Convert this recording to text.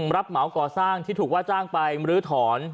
รับเหมาก่อสร้างที่ถูกว่าจ้างไปมรื้อถอน